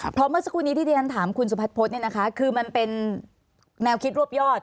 เพราะเมื่อสักครู่นี้ที่เรียนถามคุณสุบัติโพธิ์คือมันเป็นแนวคิดรวบยอด